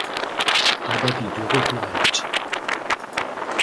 Aber die Dürre bleibt.